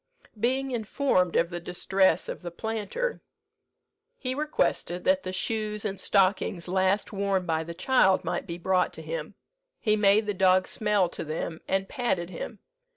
Being informed of the distress of the planter, he requested that the shoes and stockings last worn by the child might be brought to him. He made the dog smell to them, and patted him.